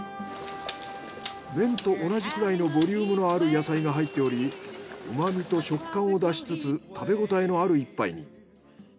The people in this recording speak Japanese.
麺と同じくらいのボリュームのある野菜が入っており旨みと食感を出しつつ食べ応えのある１杯に。